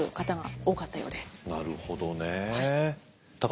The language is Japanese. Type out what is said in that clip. なるほどねえ。